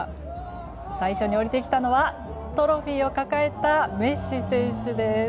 最初に降りてきたのはトロフィーを抱えたメッシ選手です！